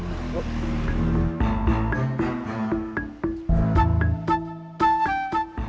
udah waktunya kerja nih